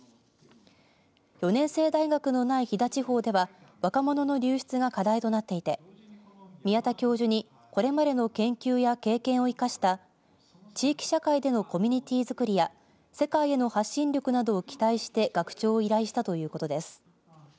４年制大学のない飛騨地方では若者の流出が課題となっていて宮田教授にこれまでの研究や経験を生かした地域社会でのコミュニティーづくりや世界への発信力などを期待して学長を依頼したということです。